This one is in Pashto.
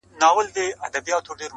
د طوطي بڼکي تویي سوې ګنجی سو!